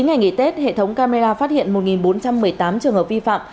ngày nghỉ tết hệ thống camera phát hiện một bốn trăm một mươi tám trường hợp vi phạm